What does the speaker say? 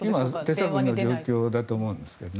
手探りの状況だと思うんですがね。